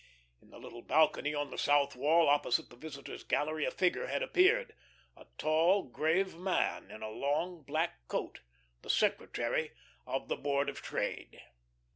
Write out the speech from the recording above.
In the little balcony on the south wall opposite the visitors' gallery a figure had appeared, a tall grave man, in a long black coat the secretary of the Board of Trade.